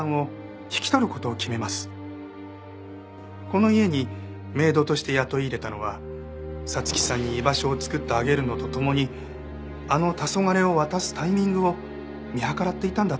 この家にメイドとして雇い入れたのは彩月さんに居場所を作ってあげるのとともにあの『黄昏』を渡すタイミングを見計らっていたんだと思います。